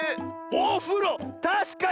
おふろたしかに！